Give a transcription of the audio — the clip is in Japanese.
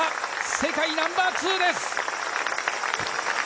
世界ナンバー２です。